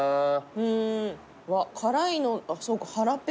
うん。